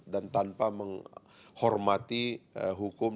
dan tanpa menghormati hukum